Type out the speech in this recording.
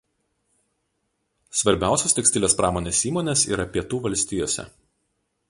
Svarbiausios tekstilės pramonės įmonės yra Pietų valstijose.